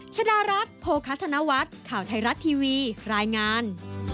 ชดารัฐโภคธนวัฒน์ข่าวไทยรัฐทีวีรายงาน